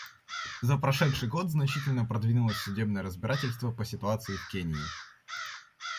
За прошедший год значительно продвинулось судебное разбирательство по ситуации в Кении.